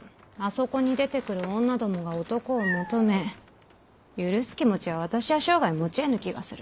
そこに出てくる女どもが男を求め許す気持ちは私は生涯持ちえぬ気がする。